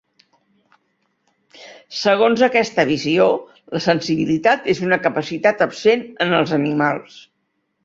Segons aquesta visió, la sensibilitat és una capacitat absent en els animals.